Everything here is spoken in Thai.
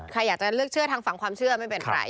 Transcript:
ใครอยากจะเลือกเชื่อทางฝั่งความเชื่อไม่เป็นไร